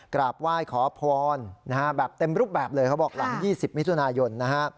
กราบไหว้ขอพรแบบเต็มรูปแบบเลยเขาบอกหลัง๒๐มิถุนายนนะฮะ